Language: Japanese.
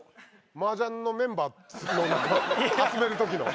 麻雀のメンバー集める時の。